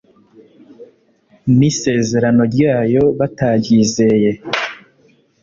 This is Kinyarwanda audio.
n'isezerano ryayo bataryizeye